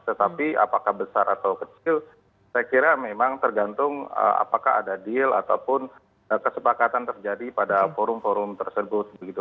tetapi apakah besar atau kecil saya kira memang tergantung apakah ada deal ataupun kesepakatan terjadi pada forum forum tersebut begitu